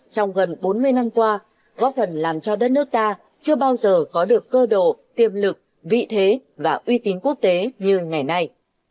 trong gần bốn mươi năm qua góp phần làm cho đất nước ta chưa bao giờ có được cơ độ tiềm lực vị thế và uy tín quốc tế như ngày nay